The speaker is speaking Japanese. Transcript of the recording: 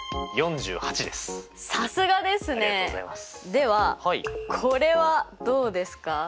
ではこれはどうですか？